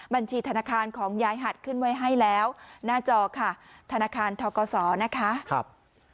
บัญชีธนาคารของยายหัดขึ้นไว้ให้แล้วหน้าจอค่ะธนาคารทกศนะคะครับ